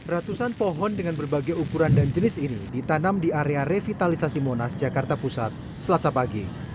ratusan pohon dengan berbagai ukuran dan jenis ini ditanam di area revitalisasi monas jakarta pusat selasa pagi